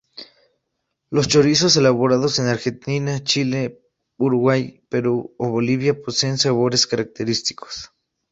Los chorizos elaborados en Argentina, Chile, Uruguay, Perú o Bolivia poseen sabores característicos.